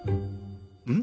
うん？